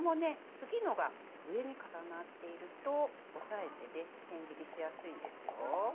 次のが上に重なっていると押さえててせん切りしやすいんですよ。